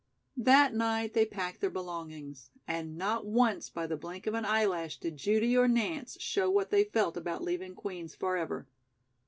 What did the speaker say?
That night they packed their belongings, and not once by the blink of an eyelash did Judy or Nance show what they felt about leaving Queen's forever.